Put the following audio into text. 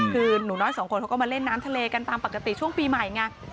คือหนูน้อยสองคนเขาก็มาเล่นน้ำทะเลกันตามปกติช่วงปีใหม่ไง